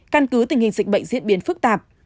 căn cứ tình hình dịch bệnh diễn biến phức tạp